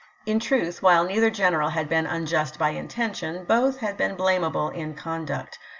In truth, while neither general had been "unjust by intention, both had been blamable in conduct.